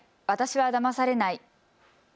私はだまされない。